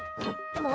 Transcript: もう。